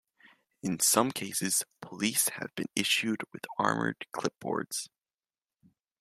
In some cases police have been issued with armoured clipboards.